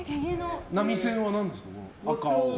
波線は何ですか？